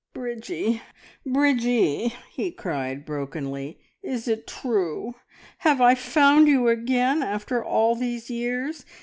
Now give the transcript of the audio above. "Bridgie, Bridgie!" he cried brokenly. "Is it true? Have I found you again after all these years?